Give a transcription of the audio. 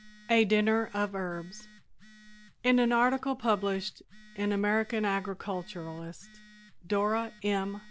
A DINNER OF HERBS In an article published in American Agriculturist, Dora M.